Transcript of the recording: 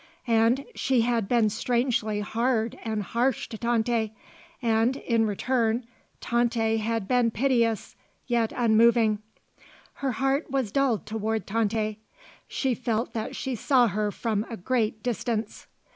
And she had been strangely hard and harsh to Tante and in return Tante had been piteous yet unmoving. Her heart was dulled towards Tante. She felt that she saw her from a great distance.